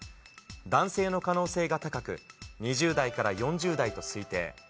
男性の可能性が高く、２０代から４０代と推定。